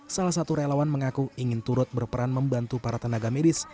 salah satu relawan mengaku ingin turut berperan membantu para tenaga medis